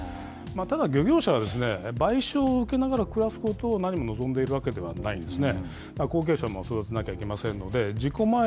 ただ、漁業者は賠償を受けながら暮らすことをなにも望んでいるわけではないんですね。